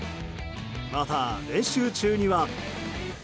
また、練習中には。